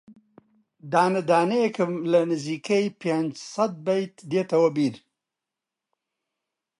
دانە دانەیێکم لە نزیکەی پێنجسەد بەیت دێتەوە بیر